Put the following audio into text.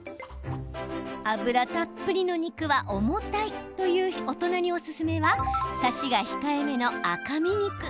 脂たっぷりの肉は重たいという大人におすすめはサシが控えめの赤身肉。